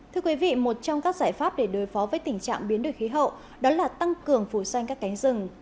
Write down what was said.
thưa quý vị một trong các giải pháp để đối phó với tình trạng biến đổi khí hậu đó là tăng cường phủ xanh các cánh rừng